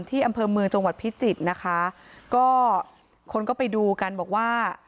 อำเภอเมืองจังหวัดพิจิตรนะคะก็คนก็ไปดูกันบอกว่า